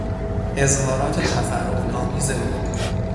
اظهارات تفرعن آمیز او